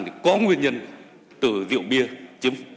thì có nguyên nhân từ rượu bia chứ không